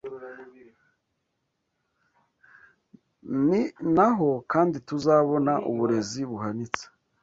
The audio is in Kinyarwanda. ni naho kandi tuzabona uburezi buhanitse